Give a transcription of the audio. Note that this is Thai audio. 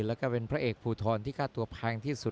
และเป็นพระเอกผูทรที่กล้าตัวแพงที่สุด